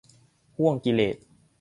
ห้วงกิเลส